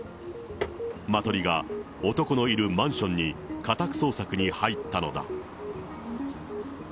マトリが男のいるマンションに家宅捜索に入ったのだ。